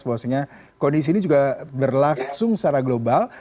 bahwasanya kondisi ini juga berlangsung secara global